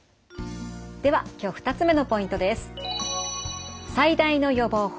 では今日２つ目のポイントです。